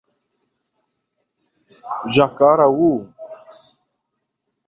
Jacaraú